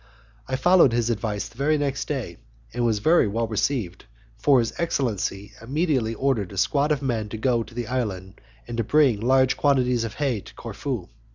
I followed his advice the very next day, and was very well received, for his excellency immediately ordered a squad of men to go to the island and bring large quantities of hay to Corfu.